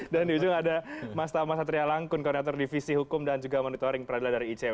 dan di ujung ada mas tama satria langkun koordinator divisi hukum dan juga monitoring peradilan dari icw